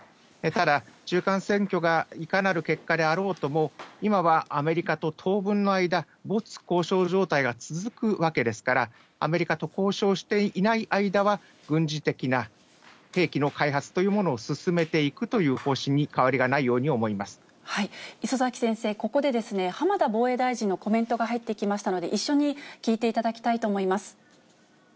ただ、中間選挙がいかなる結果であろうとも、今はアメリカと当分の間、没交渉状態が続くわけですから、アメリカと交渉していない間は、軍事的な兵器の開発というものを進めていくという方針に変礒崎先生、ここで、浜田防衛大臣のコメントが入ってきましたので、一緒に聞いていただきたいと思います。